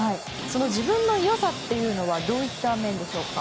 自分の良さというのはどういった面でしょうか。